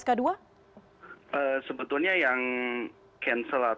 sebetulnya yang cancel ataupun di delay itu pasti di teman teman island sudah ada mekanisme tersendiri